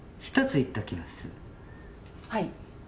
はい。